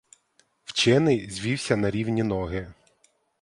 Вчений звівся на рівні ноги.